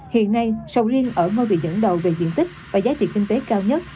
hiện nay sầu riêng ở ngôi vị dẫn đầu về diện tích và giá trị kinh tế cao nhất